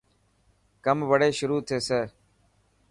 ڪم وڙي شروح ٿيي.